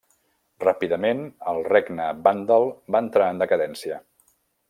Ràpidament el regne vàndal va entrar en decadència.